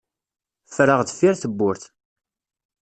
Ffreɣ deffir tewwurt.